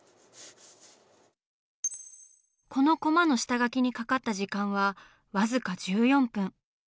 このコマの下描きにかかった時間はわずか１４分。